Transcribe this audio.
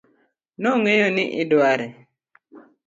nong'eyo ni idware